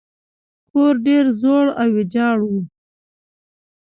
کور ډیر زوړ او ویجاړ و.